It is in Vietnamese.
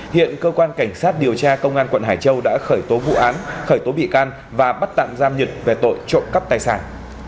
hiện cơ quan cảnh sát điều tra công an quận hải châu đã khởi tố vụ án khởi tố bị can và bắt tạm giam nhật về tội trộm cắp tài sản